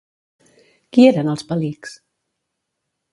Qui eren els Palics?